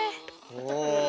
お。